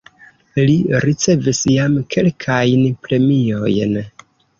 Li ricevis jam kelkajn premiojn.